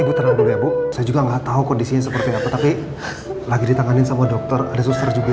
ibu terlebih dulu ya bu saya juga nggak tahu kondisinya seperti apa tapi lagi ditanganin sama dokter ada suster juga